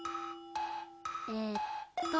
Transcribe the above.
えっと。